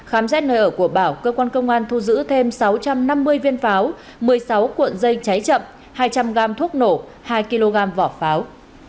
khám xét nơi ở của bảo cơ quan công an thu giữ thêm sáu trăm năm mươi viên pháo một mươi sáu cuộn dây cháy chậm hai trăm linh gam thuốc nổ hai kg vỏ pháo